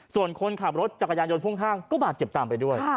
ส่วนคนขับรถจักรยานยนต์พ่วงข้างก็บาดเจ็บตามไปด้วย